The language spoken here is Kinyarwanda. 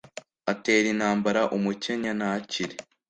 atera intambara umukenya ntakire,